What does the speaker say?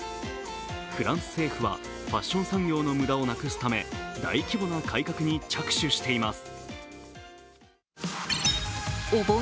フランス政府はファッション産業の無駄をなくすため大規模な改革に着手しています。